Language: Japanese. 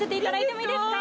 いいんですか？